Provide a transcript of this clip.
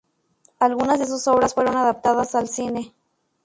Algunas de sus obras fueron adaptadas al cine.